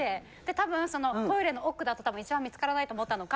たぶんトイレの奥だと一番見つからないと思ったのか